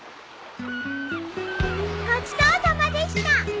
ごちそうさまでした。